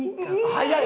早い！